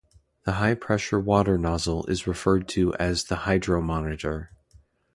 The high-pressure water nozzle is referred to as the 'hydro monitor'.